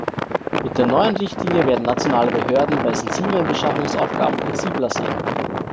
Mit der neuen Richtlinie werden nationale Behörden bei sensiblen Beschaffungsaufgaben flexibler sein.